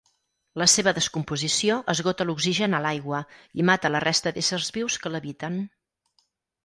La seva descomposició esgota l'oxigen a l'aigua i mata la resta d'éssers vius que l'habiten.